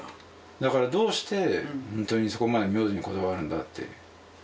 だからどうしてほんとにそこまで名字にこだわるんだって。